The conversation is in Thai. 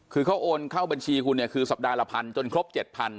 ก็โอนเข้าบัญชีคุณคือสัปดาห์ละพันจนครบ๗พัน